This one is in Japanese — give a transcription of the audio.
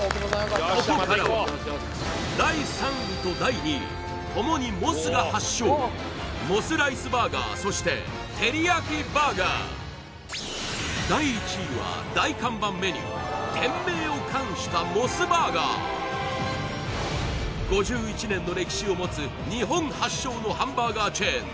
ここからは第３位と第２位ともにモスが発祥モスライスバーガーそしてテリヤキバーガー第１位は大看板メニュー店名を冠したモスバーガー５１年の歴史を持つ日本発祥のハンバーガーチェーン